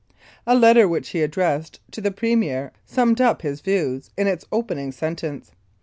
A letter which he addressed to the Premier summed up his views in its opening sentence.